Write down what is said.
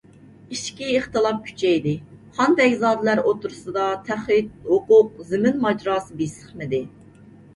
ئىچكى ئىختىلاپ كۈچەيدى، خان، بەگزادىلەر ئوتتۇرىسىدا تەخت، ھوقۇق، زېمىن ماجىراسى بېسىقمىدى.